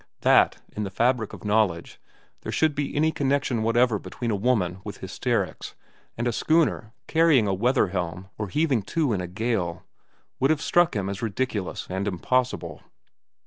That, in the fabric of knowledge, there should be any connection whatever between a woman with hysterics and a schooner carrying a weather helm or heaving to in a gale, would have struck him as ridiculous and impossible.